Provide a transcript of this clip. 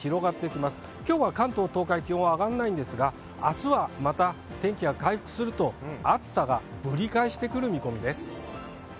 きょうは関東、東海、気温は上がらないんですが、あすはまた天気が回復すると、暑さがぶり返してくる見込みです。